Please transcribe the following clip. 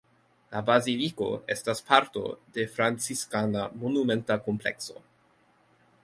La baziliko estas parto de franciskana monumenta komplekso.